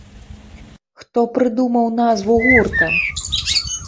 Хто прыдумаў назву гурта?